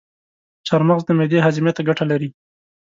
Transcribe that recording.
چارمغز د معدې هاضمي ته ګټه لري.